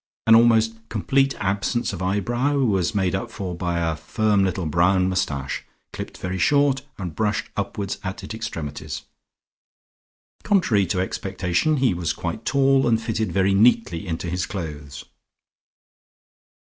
An almost complete absence of eyebrow was made up for by a firm little brown moustache clipped very short, and brushed upwards at its extremities. Contrary to expectation he was quite tall and fitted very neatly into his clothes.